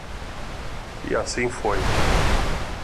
E assim foi.